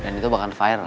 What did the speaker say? dan itu bakal viral